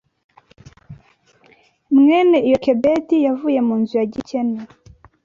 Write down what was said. Mwene Yokebedi yavuye mu nzu ya gikene